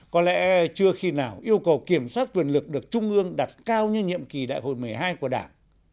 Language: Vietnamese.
có lẽ chưa khi nào yêu cầu kiểm soát quyền lực được trung ương đặt cao như nhiệm kỳ đại hội một mươi hai của đảng